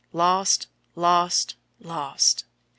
Lost! Lost! Lost!